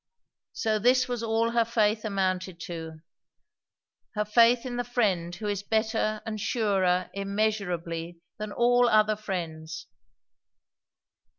So this was all her faith amounted to, her faith in the Friend who is better and surer immeasurably than all other friends!